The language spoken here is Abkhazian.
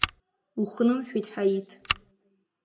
Ухнымҳәит, Ҳаиҭ!